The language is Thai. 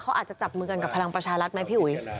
เขาอาจจะจับมือกันกับพลังประชารัฐไหมพี่อุ๋ย